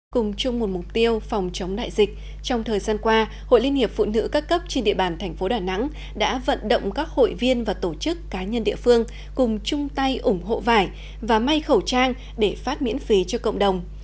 cùng chung một mục tiêu phòng chống đại dịch trong thời gian qua hội liên hiệp phụ nữ các cấp trên địa bàn thành phố đà nẵng đã vận động các hội viên và tổ chức cá nhân địa phương cùng chung tay ủng hộ vải và may khẩu trang để phát miễn phí cho cộng đồng